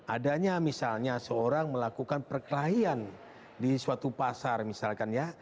adanya misalnya seorang melakukan perkelahian di suatu pasar misalkan ya